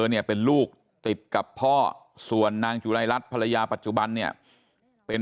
เนี่ยเป็นลูกติดกับพ่อส่วนนางจุรายรัฐภรรยาปัจจุบันเนี่ยเป็น